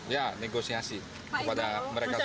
ya negosiasi kepada mereka